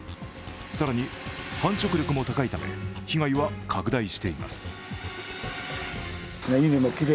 更に、繁殖力も高いため被害は拡大しています。